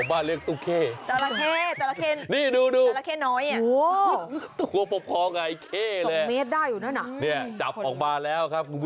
อุ้ยใหญ่จริงเหมือนเจ้าละเข้เด็ก